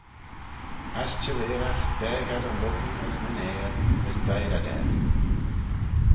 As chelleeragh daag ad y lhong as nyn ayr, as deiyr ad er.